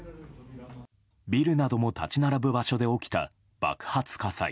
ビルなども立ち並ぶ場所で起きた爆発火災。